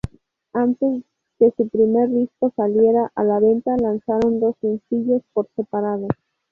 Antes que su primer disco saliera a la venta, lanzaron dos sencillos por separado.